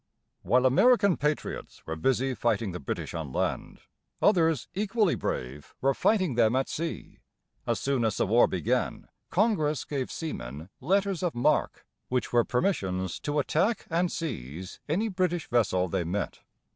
While American patriots were busy fighting the British on land, others, equally brave, were fighting them at sea. As soon as the war began, Congress gave seamen letters of marque, which were permissions to attack and seize any British vessel they met.